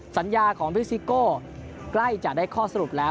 สัญญาของพิซิโก้ใกล้จะได้ข้อสรุปแล้ว